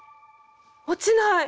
落ちない！